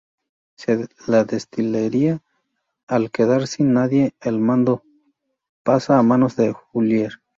La destilería, al quedar sin nadie al mando, pasa a manos de Jiu’er.